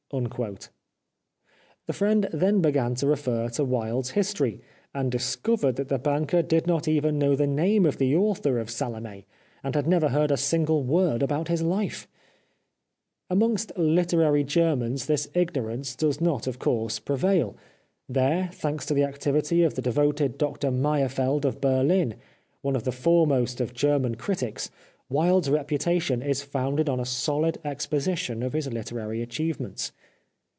The friend then began to refer to Wilde's history, and discovered that the banker did not even know the name of the author of " Salome," and had never heard a single word about his life ! Amongst literary Germans this ignorance does not, of course, prevail. There, thanks to the activity of the devoted Doctor Meyerfeld of Berlin, one of the foremost of German critics, Wilde's reputation is founded on a solid ex position of his literary achievements.